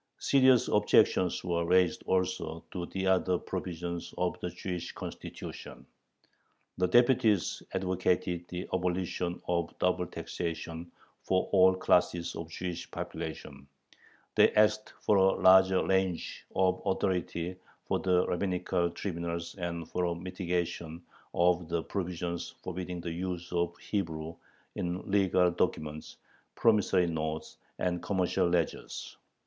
Serious objections were raised also to the other provisions of the "Jewish Constitution." The deputies advocated the abolition of double taxation for all classes of the Jewish population; they asked for a larger range of authority for the rabbinical tribunals and for a mitigation of the provisions forbidding the use of Hebrew in legal documents, promissory notes, and commercial ledgers.